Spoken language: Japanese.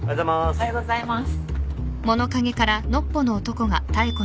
おはようございます。